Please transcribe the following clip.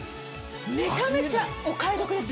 めちゃめちゃお買い得ですよ。